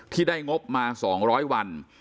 ที่ได้งบมา๒๐๐วัน